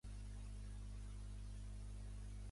A l'esprint final s'imposà el cantàbric David Gutiérrez.